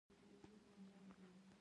بې وزله خلکو سره لازمې مرستې کیږي.